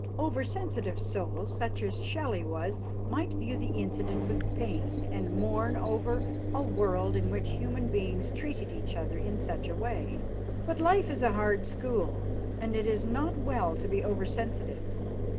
Over sensitive souls, such as Shelley was might view the incident with pain and mourn over a world in which human beings treated each other in such a way. But life is a hard school, and it is not well to be over sensitive.